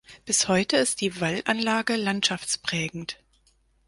Bis heute ist die Wallanlage landschaftsprägend.